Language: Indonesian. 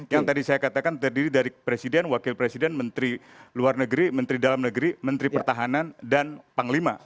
yang tadi saya katakan terdiri dari presiden wakil presiden menteri luar negeri menteri dalam negeri menteri pertahanan dan panglima